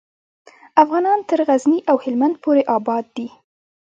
افغانان تر غزني او هیلمند پورې آباد دي.